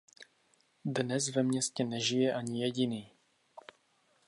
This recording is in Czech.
Dnes ve městě nežije ani jediný.